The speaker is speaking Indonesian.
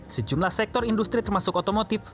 sejumlah sektor industri termasuk otomotif